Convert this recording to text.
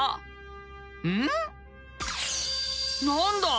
何だ？